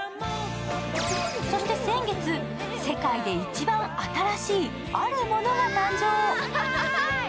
そして先月、世界で一番新しい、あるものが誕生。